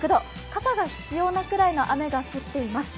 傘が必要なくらいの雨が降っています。